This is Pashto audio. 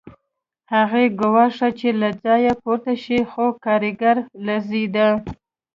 هغه یې ګواښه چې له ځایه پورته شي خو کارګر لړزېده